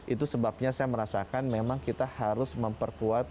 itu sebabnya saya merasakan memang kita harus memperkuat